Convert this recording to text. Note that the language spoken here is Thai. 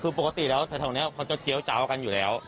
คือปกติแล้วแถวนี้เขาจะเจี๊ยวเจ้ากันอยู่แล้ว